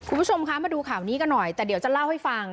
คุณผู้ชมคะมาดูข่าวนี้กันหน่อยแต่เดี๋ยวจะเล่าให้ฟัง